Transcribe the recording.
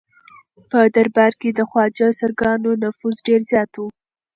په دربار کې د خواجه سراګانو نفوذ ډېر زیات و.